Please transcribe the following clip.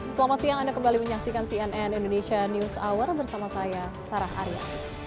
selamat siang anda kembali menyaksikan cnn indonesia news hour bersama saya sarah arya